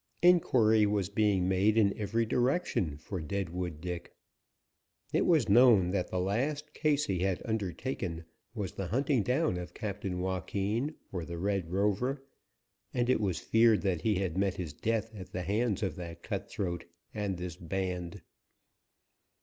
Inquiry was being made in every direction for Deadwood Dick. It was known that the last case he had undertaken was the hunting down of Captain Joaquin, or the Red Rover, and it was feared that he had met his death at the hands of that cutthroat and this band.